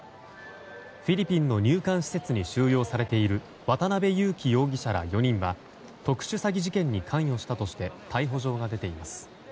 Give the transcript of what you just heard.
フィリピンの入管施設に収容されている渡邉優樹容疑者ら４人は特殊詐欺事件に関与したとして逮捕状が出ています。